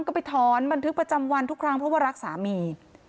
ก็ไปถอนบันทึกประจำวันทุกครั้งเพราะว่ารักสามี